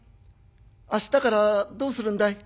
明日からどうするんだい？」。